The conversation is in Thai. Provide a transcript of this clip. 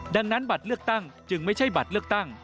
ดังนั้นบัตรเลือกตั้งจึงไม่ใช่บัตรเลือกตั้ง